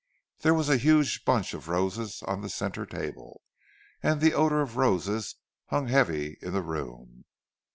There was a huge bunch of roses on the centre table, and the odour of roses hung heavy in the room.